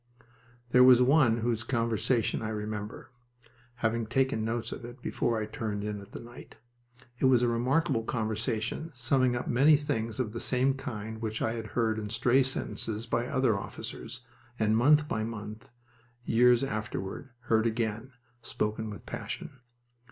There was one whose conversation I remember (having taken notes of it before I turned in that night). It was a remarkable conversation, summing up many things of the same kind which I had heard in stray sentences by other officers, and month by month, years afterward, heard again, spoken with passion.